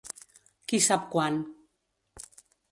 Qui sap quant.